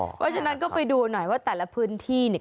เพราะฉะนั้นก็ไปดูหน่อยว่าแต่ละพื้นที่เนี่ย